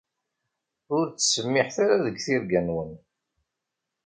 Ur ttsemmiḥet ara deg tirga-nwen.